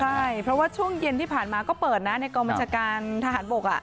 ใช่เพราะว่าช่วงเย็นที่ผ่านมาก็เปิดนะในกองบัญชาการทหารบก